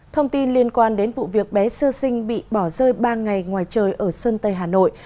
thông tin liên quan đến vụ việc bé sơ sinh bị bỏ rơi ba ngày ngoài trời ở sơn tây hà nội